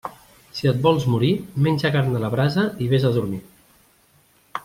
Si et vols morir, menja carn a la brasa i vés a dormir.